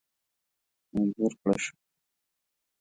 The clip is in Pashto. مجبور کړه شو.